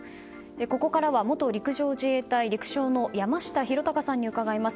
ここからは元陸上自衛隊陸将の山下裕貴さんに伺います。